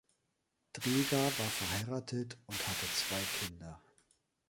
Draeger war verheiratet und hatte zwei Kinder.